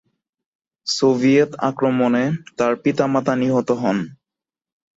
Soviet আক্রমণে তার পিতা-মাতা নিহত হন।